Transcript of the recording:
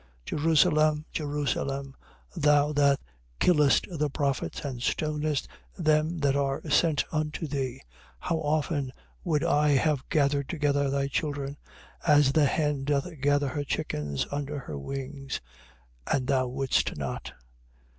23:37. Jerusalem, Jerusalem, thou that killest the prophets and stonest them that are sent unto thee, how often would I have gathered together thy children, as the hen doth gather her chickens under her wings, and thou wouldst not?